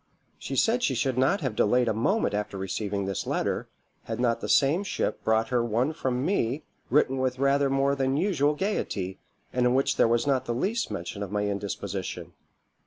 She said she should not have delayed a moment after receiving this letter, had not the same ship brought her one from me written with rather more than usual gaiety, and in which there was not the least mention of my indisposition.